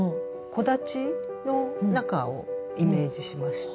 木立の中をイメージしまして。